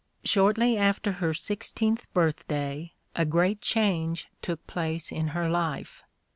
Shortly after her sixteenth birthday a great change took place in her life.